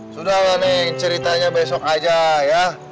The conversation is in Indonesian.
sudahlah neng ceritanya besok aja ya